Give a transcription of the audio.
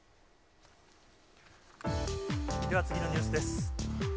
では次のニュースです。